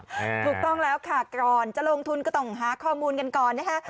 ถูกต้องแล้วค่ะก่อนจะลงทุนก็ต้องหาข้อมูลกันก่อนนะคะ